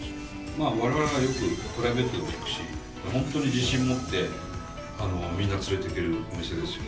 まあ我々がよくプライベートでも行くし本当に自信持ってみんな連れていけるお店ですよ。